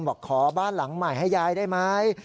บอกขอบ้านหลังใหม่ให้ยายได้ไหม